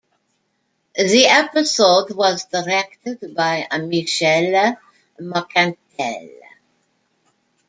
The episode was directed by Michael Marcantel.